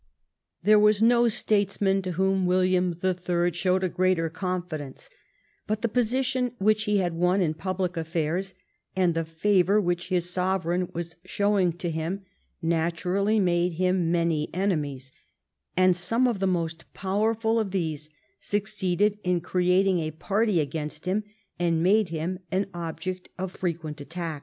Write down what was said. There was no statesman in whom Williana the Third showed a greater confidence, but the position which he had won in public affairs and the favor which his sovereign was showing to him natural ly made him many enemies, and some of the most powerful of these succeeded in creating a party against him and made him an object of frequent attadc.